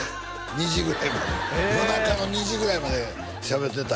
２時ぐらいまで夜中の２時ぐらいまでしゃべってた